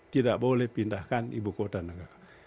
tidak boleh pindahkan ibu kota negara